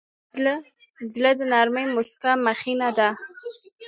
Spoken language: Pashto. زړه د نرمې موسکا مخینه ده.